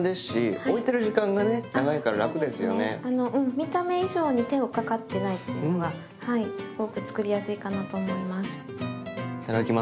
見た目以上に手をかかってないっていうのがすごく作りやすいかなと思います。